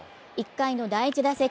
１回の第１打席。